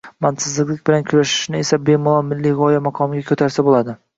Mantiqsizlik bilan kurashishni esa bemalol milliy g‘oya maqomiga ko‘tarsa bo‘ladi.